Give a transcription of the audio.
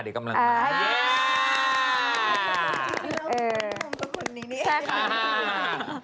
มุมสะขุนนี้